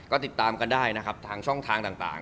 ก็ติดตามกันได้นะครับทางช่องทางต่าง